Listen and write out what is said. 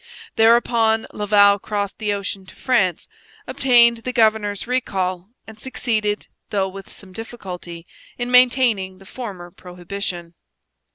Thereupon Laval crossed the ocean to France, obtained the governor's recall, and succeeded, though with some difficulty, in maintaining the former prohibition.